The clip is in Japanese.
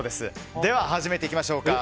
では始めて行きましょうか。